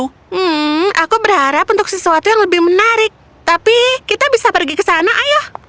hmm aku berharap untuk sesuatu yang lebih menarik tapi kita bisa pergi ke sana ayo